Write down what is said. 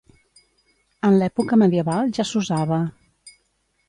En l'època medieval ja s'usava.